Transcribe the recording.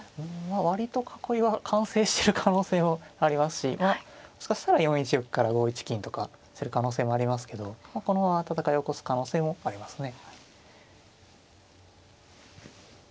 割と囲いは完成してる可能性もありますしもしかしたら４一玉から５一金とかする可能性もありますけどこのまま戦いを起こす可能性もありますね。